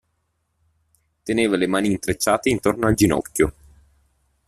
Teneva le mani intrecciate intorno al ginocchio.